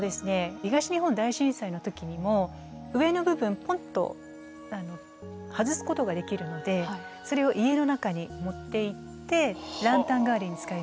東日本大震災の時にも上の部分ポンッと外すことができるのでそれを家の中に持っていってランタン代わりに使いました。